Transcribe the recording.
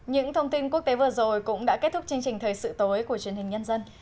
những thông tin quốc tế vừa rồi cũng đã kết thúc chương trình thời sự tối của truyền hình nhân dân